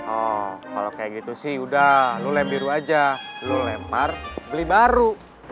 oh kalau kayak gitu sih udah lu lem biru aja lu lempar beli baru